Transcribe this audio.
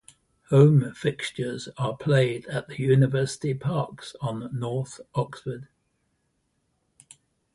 Home fixtures are played at the University Parks on north Oxford.